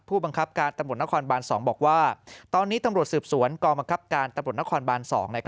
ผู้บังคับการตำรวจนครบาน๒บอกว่าตอนนี้ตำรวจสืบสวนกองบังคับการตำรวจนครบาน๒